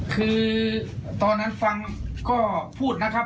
คือตอนนั้นฟังก็พูดนะครับ